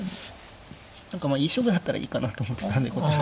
何かまあいい勝負だったらいいかなと思ってたんでこちらとしては。